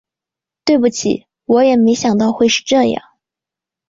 对不起，我也没想到会是这样